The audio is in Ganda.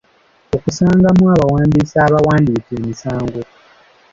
Osangamu abawandiisi abawandiika emisango.